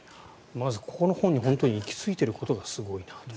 まず、ここの本に行き着いていることがすごいなと。